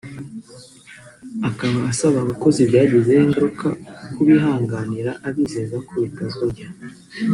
akaba asaba abakozi byagizeho ingaruka kubihanganira abizeza ko bitazongera